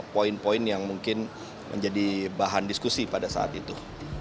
poin poin yang mungkin menjadi bahan diskusi pada saat itu